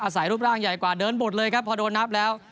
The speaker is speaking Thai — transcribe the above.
ใส่รูปร่างใหญ่กว่าเดินหมดเลยครับพอโดนนับแล้ว